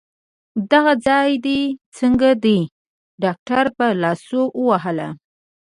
دغه ځای دي څنګه دی؟ ډاکټر په لاسو ووهلم.